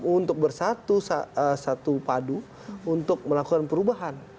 untuk bersatu padu untuk melakukan perubahan